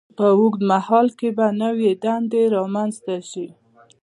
په اوږد مهال کې به نوې دندې رامینځته شي.